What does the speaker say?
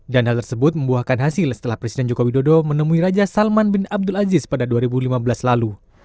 dan hal tersebut membuahkan hasil setelah presiden jokowi dodo menemui raja salman bin abdul aziz pada dua ribu lima belas lalu